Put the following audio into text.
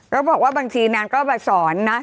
ก็บอกว่าบางทีนางก็มาสอนนะสอนคนบางคน